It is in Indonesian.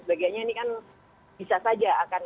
sebagainya ini kan bisa saja akan